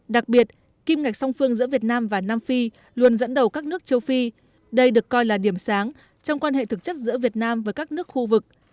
đặc biệt kim ngạch song phương giữa việt nam và nam phi luôn dẫn đầu các nước châu phi đây được coi là điểm sáng trong quan hệ thực chất giữa việt nam với các nước khu vực